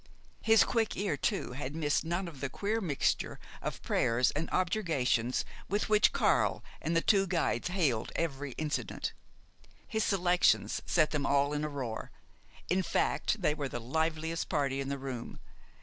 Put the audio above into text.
His quick ear too had missed none of the queer mixture of prayers and objurgations with which Karl and the two guides hailed every incident. His selections set them all in a roar. In fact, they were the liveliest party in the room.